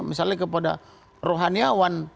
misalnya kepada rohan yawan